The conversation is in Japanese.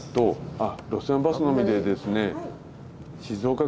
路線バスのみでですね。